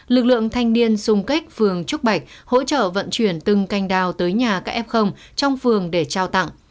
lực lượng thanh niên xung kích phường trúc bạch hỗ trợ vận chuyển từng cành đào tới nhà các f trong phường để trao tặng